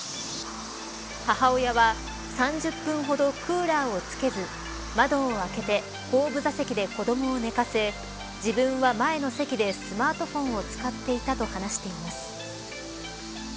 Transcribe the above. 母親は３０分ほどクーラーをつけず窓を開けて後部座席で子どもを寝かせ自分は前の席でスマートフォンを使っていたと話しています。